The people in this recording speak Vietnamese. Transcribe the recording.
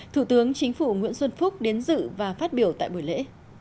thủ tướng chính phủ nguyễn xuân phúc đến dự và phát biểu tại buổi lễ